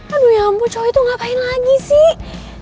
aduh ya ampun cowok itu ngapain lagi sih